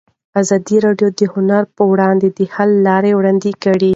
ازادي راډیو د هنر پر وړاندې د حل لارې وړاندې کړي.